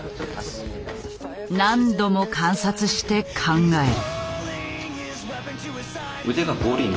何度も観察して考える。